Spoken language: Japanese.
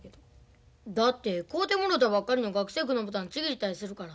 だって買うてもろたばっかりの学生服のボタンちぎったりするから。